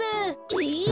えっ！？